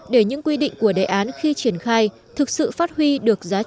để những quy định của đề án khi triển khai thực sự phát huy được giá trị